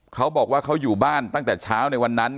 เขาบอกว่าเขาอยู่บ้านตั้งแต่เช้าในวันนั้น